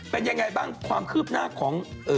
เป็นยังไงบ้างความคืบหน้าของ